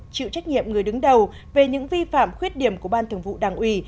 chịu trách nhiệm người đứng đầu về những vi phạm khuyết điểm của ban thường vụ đảng ủy